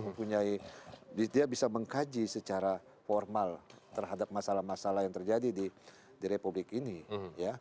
mempunyai dia bisa mengkaji secara formal terhadap masalah masalah yang terjadi di republik ini ya